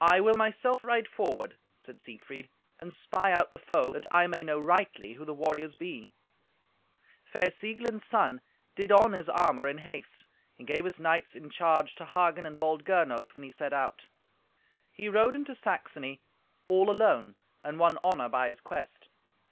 "I will myself ride forward," said Siegfried, "and spy out the foe, that I may know rightly who the warriors be." Fair Sieglind's son did on his armour in haste. He gave his knights in charge to Hagen and bold Gernot when he set out. He rode into Saxony all alone, and won honour by his quest.